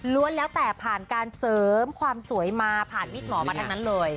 แล้วแต่ผ่านการเสริมความสวยมาผ่านมิตรหมอมาทั้งนั้นเลย